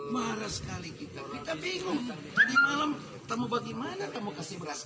marah sekali kita kita bingung tadi malam kamu bagaimana kamu kasih beras